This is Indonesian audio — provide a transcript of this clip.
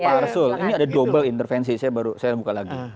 pak arsul ini ada double intervensi saya baru saya buka lagi